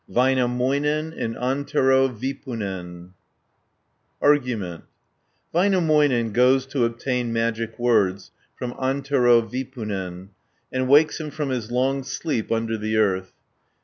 VÄINÄMÖINEN AND ANTERO VIPUNEN Argument Väinämöinen goes to obtain magic words from Antero Vipunen, and wakes him from his long sleep under the earth (1 98).